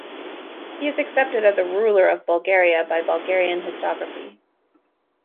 He is accepted as a ruler of Bulgaria by Bulgarian historiography.